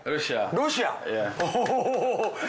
ロシア。